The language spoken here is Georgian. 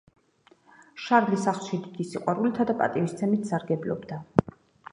შარლი ხალხში დიდი სიყვარულითა და პატივისცემით სარგებლობდა.